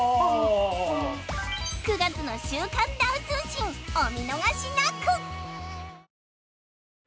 ９月の『週刊ダウ通信』お見逃しなく！